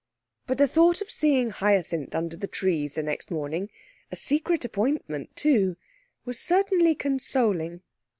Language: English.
But the thought of seeing Hyacinth under the trees the next morning a secret appointment, too! was certainly consoling.